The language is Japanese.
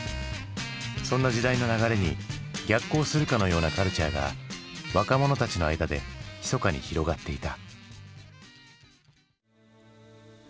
そんな時代の流れに逆行するかのようなカルチャーが若者たちの間でひそかに広がっていた。